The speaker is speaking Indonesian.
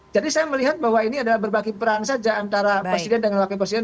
jadi saya melihat bahwa ini adalah berbagi peran saja antara presiden dan wakil presiden